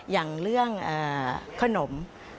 อย่างเรื่องขนม